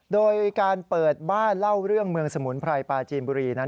โดยการเปิดบ้านเล่าเรื่องเมืองสมุนไพรปาจีนบุรีนั้น